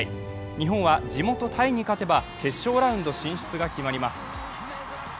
日本は地元タイに勝てば決勝ラウンド進出が決まります。